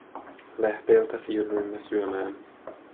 Lähteeltä siirryimme syömään.